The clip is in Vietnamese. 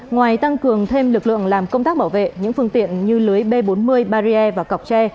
ngoài tăng cường thêm lực lượng làm công tác bảo vệ những phương tiện như lưới b bốn mươi barrier và cọc tre